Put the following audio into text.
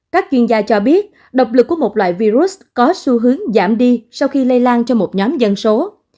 các chuyên gia cho biết độc lực của một loại virus có xu hướng giảm đi sau khi lây lan cho một nhóm dân số